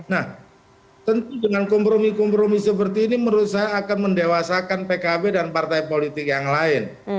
nah tentu dengan kompromi kompromi seperti ini menurut saya akan mendewasakan pkb dan partai politik yang lain